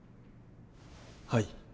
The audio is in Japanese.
はい。